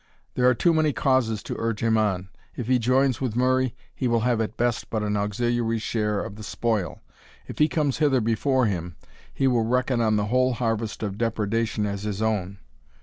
There are too many causes to urge him on. If he joins with Murray, he will have at best but an auxiliary's share of the spoil if he comes hither before him, he will reckon on the whole harvest of depredation as his own.